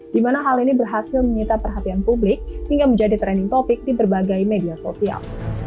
di mana hal ini berhasil menyita perhatian publik hingga menjadi trending topic di berbagai media sosial